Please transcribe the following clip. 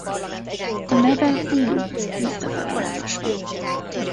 A neve Buu visszafele olvasva.